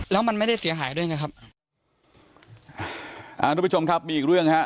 แล้วมันไม่ได้เสียหายด้วยไงครับอ่าทุกผู้ชมครับมีอีกเรื่องฮะ